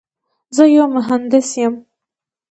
زه یو مهندس یم.